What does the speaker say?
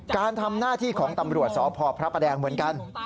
การทำหน้าที่ของตำรวจสพพระประแดงเหมือนกัน